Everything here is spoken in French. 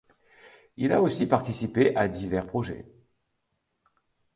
Il a aussi participé à divers projets.